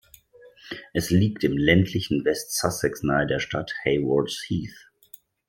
Es liegt im ländlichen West Sussex nahe der Stadt Haywards Heath.